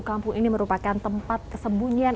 kampung ini merupakan tempat kesembunyian